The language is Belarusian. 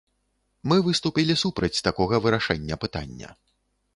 Мы выступілі супраць такога вырашэння пытання.